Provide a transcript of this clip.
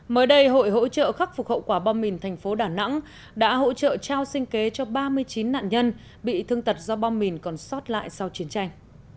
mới đây hội hỗ trợ khắc phục hậu quả bom mìn thành phố đà nẵng đã hỗ trợ trao sinh kế cho ba mươi chín nạn nhân bị thương tật do bom mìn còn sót lại sau chiến tranh